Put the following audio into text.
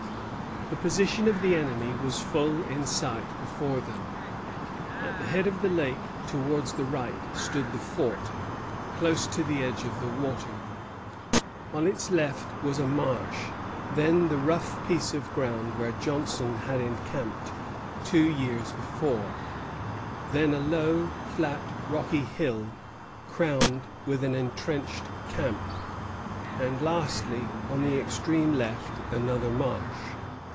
The position of the enemy was full in sight before them. At the head of the lake, towards the right, stood the fort, close to the edge of the water. On its left was a marsh; then the rough piece of ground where Johnson had encamped two years before; then a low, flat, rocky hill, crowned with an entrenched camp; and, lastly, on the extreme left, another marsh.